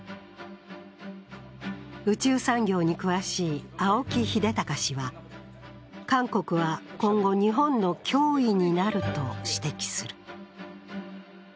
宇宙産業に詳しい青木英剛氏は、韓国は今後日本の脅威になると指摘する。